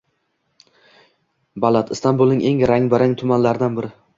Balat – Istanbulning eng rang-barang tumanlaridan biri